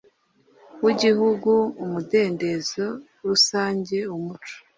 w igihugu umudendezo rusange umuco